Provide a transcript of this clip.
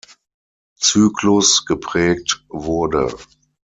Zyklus geprägt wurde.